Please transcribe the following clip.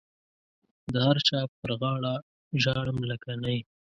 د هر چا پر غاړه ژاړم لکه نی.